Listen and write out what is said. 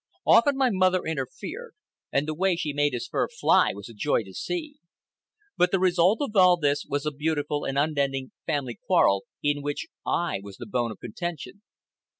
Often my mother interfered, and the way she made his fur fly was a joy to see. But the result of all this was a beautiful and unending family quarrel, in which I was the bone of contention.